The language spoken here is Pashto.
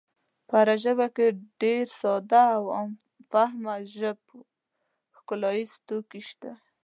په هره ژبه کې ډېر ساده او عام فهمه ژب ښکلاییز توکي شته.